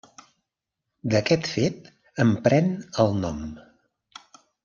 D'aquest fet en pren el nom.